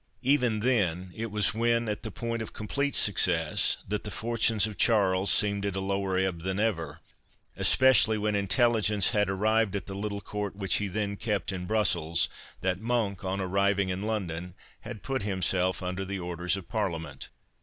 Even then, it was when at the point of complete success, that the fortunes of Charles seemed at a lower ebb than ever, especially when intelligence had arrived at the little Court which he then kept in Brussels, that Monk, on arriving in London, had put himself under the orders of the Parliament.